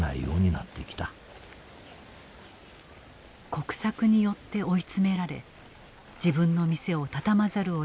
国策によって追い詰められ自分の店をたたまざるをえなくなった井上さん。